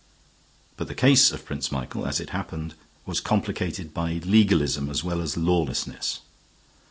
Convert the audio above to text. But the case of Prince Michael, as it happened, was complicated by legalism as well as lawlessness.